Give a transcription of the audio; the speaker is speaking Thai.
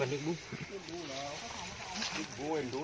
อันนี้เป็นอันนี้อันนี้เป็นอันนี้